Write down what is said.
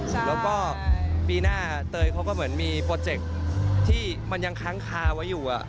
แล้วก็ปีหน้าเตยเขาก็เหมือนมีโปรเจคที่มันยังค้างคาไว้อยู่